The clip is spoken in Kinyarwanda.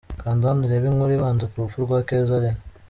Kanda hano urebe inkuru ibanza ku rupfu rwa Keza Linah.